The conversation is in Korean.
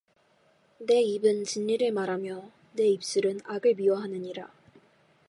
내 입은 진리를 말하며 내 입술은 악을 미워하느니라